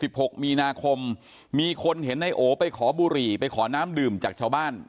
หกมีนาคมมีคนเห็นนายโอไปขอบุหรี่ไปขอน้ำดื่มจากชาวบ้าน